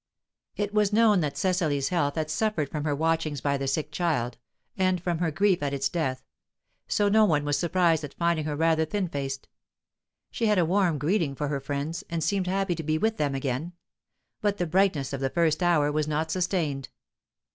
It was known that Cecily's health had suffered from her watchings by the sick child, and from her grief at its death; so no one was surprised at finding her rather thin faced. She had a warm greeting for her friends, and seemed happy to be with them again; but the brightness of the first hour was not sustained.